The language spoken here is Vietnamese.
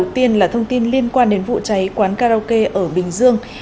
thông tin liên quan đến vụ cháy quán karaoke ở bình dương